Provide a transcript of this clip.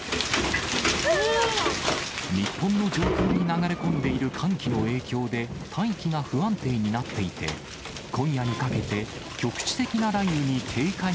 日本の上空に流れ込んでいる寒気の影響で、大気が不安定になっていて、ヘイ！